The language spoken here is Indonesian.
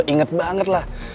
inget banget lah